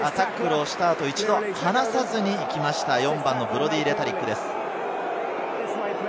タックルをした後、一度離さずに行きました、４番のブロディー・レタリックです。